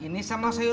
nih buat situ